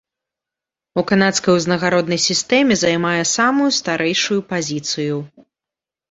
У канадскай узнагароднай сістэме займае самую старэйшую пазіцыю.